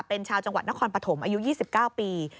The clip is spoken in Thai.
เป็นชาวจังหวัดนครปฐมอายุ๒๙ปี